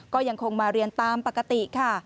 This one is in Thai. ก็ยังคงมาเรียนตามปกติค่ะ